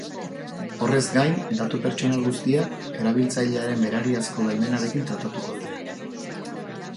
Horrez gain, datu pertsonal guztiak erabiltzailearen berariazko baimenarekin tratatuko dira.